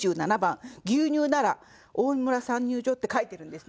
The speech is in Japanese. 「牛乳ナラ大村産乳所」って書いてるんですね。